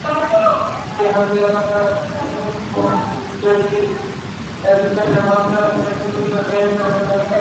ক্যারিবীয় এলাকায় অ্যান্ড্রুর বন্ধু জেফ্রি এপস্টেইনের মালিকানাধীন একটি দ্বীপে মেয়েটিকে রাখা হয়েছিল।